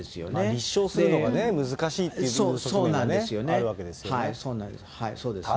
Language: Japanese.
立証するのが難しいというところがあるわけなんですね。